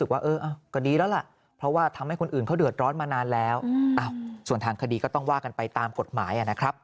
เวลากลายเป็นป่ากี้